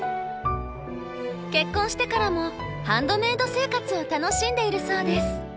結婚してからもハンドメイド生活を楽しんでいるそうです。